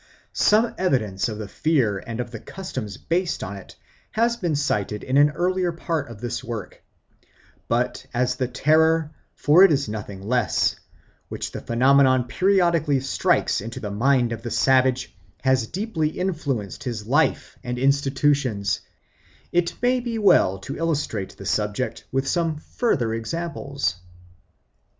Some evidence of the fear and of the customs based on it has been cited in an earlier part of this work; but as the terror, for it is nothing less, which the phenomenon periodically strikes into the mind of the savage has deeply influenced his life and institutions, it may be well to illustrate the subject with some further examples.